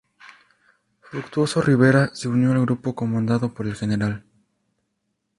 Fructuoso Rivera se unió al grupo comandado por el Gral.